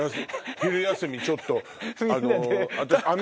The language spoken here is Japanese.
昼休みちょっと。